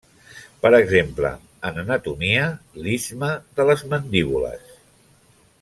Per exemple, en anatomia, l'istme de les mandíbules.